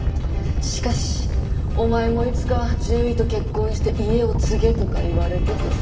しかし「お前もいつか獣医と結婚して家を継げ」とか言われててさ。